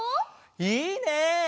いいね！